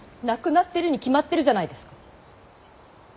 亡くなってるに決まってるじゃないですか。